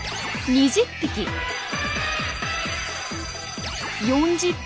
２０匹。